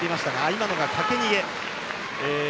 今のは、かけ逃げ。